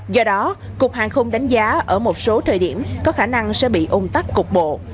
do đó cục hàng không đánh giá ở một số thời điểm có khả năng sẽ bị ung tắc cục bộ